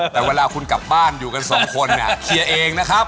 แต่เวลาคุณกลับบ้านอยู่กันสองคนเนี่ยเคลียร์เองนะครับ